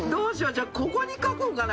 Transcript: じゃあここに書こうかな。